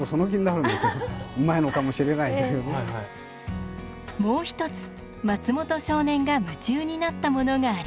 もうひとつ松本少年が夢中になったものがありました。